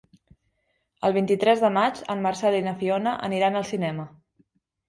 El vint-i-tres de maig en Marcel i na Fiona aniran al cinema.